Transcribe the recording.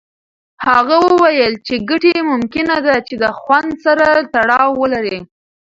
هغه وویل چې ګټې ممکنه ده چې د خوند سره تړاو ولري.